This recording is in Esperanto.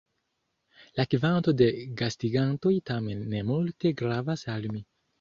La kvanto de gastigantoj tamen ne multe gravas al mi.